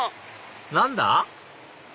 何だ？